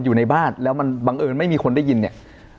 อยู่ในบ้านแล้วมันบังเอิญไม่มีคนได้ยินเนี่ย